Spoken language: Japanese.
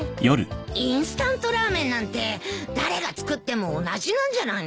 インスタントラーメンなんて誰が作っても同じなんじゃないの？